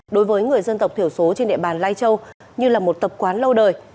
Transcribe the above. đối với người dân tộc thiểu số trên địa bàn lai châu như là một tập quán lâu đời